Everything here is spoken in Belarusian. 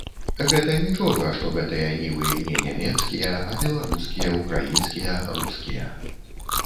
Гэта нічога, што гэтыя нівы не нямецкія, а беларускія, украінскія, рускія.